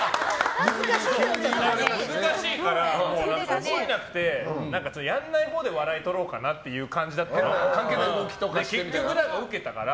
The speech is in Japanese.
難しいから、覚えなくてちょっとやらないほうで笑い取ろうかなって感じだったけど結局ウケたから。